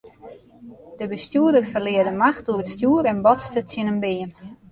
De bestjoerder ferlear de macht oer it stjoer en botste tsjin in beam.